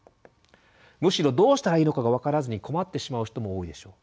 むしろどうしたらいいのかが分からずに困ってしまう人も多いでしょう。